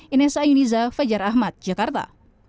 ines ayuniza fajar ahmad jakarta